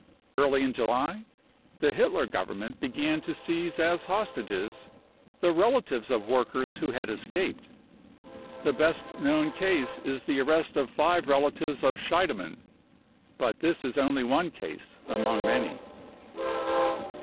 Early in July the Hitler Government began to seize as hostages the relatives of workers who had escaped. The best known case is the arrest of five relatives of Scheidemann ; but this is only one case among many.